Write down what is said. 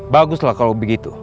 baguslah kalau begitu